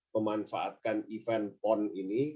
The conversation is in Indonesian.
memanfaatkan event pon ini